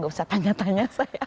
gak usah tanya tanya saya